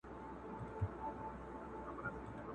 چي کوټې ته د خاوند سو ور دننه!!